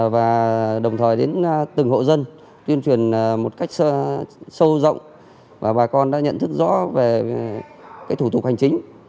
và đồng thời đến từng hộ dân tuyên truyền một cách sâu rộng và bà con đã nhận thức rõ về thủ tục hành chính